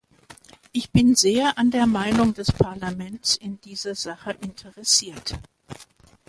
Ich bin sehr an der Meinung des Parlaments in dieser Sache interessiert.